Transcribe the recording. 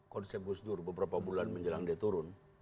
konsep gus dur beberapa bulan menjelang dia turun